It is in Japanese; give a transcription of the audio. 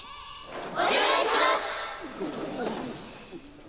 お願いします！